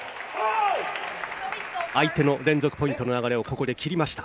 相手の連続ポイントの流れをここで切りました。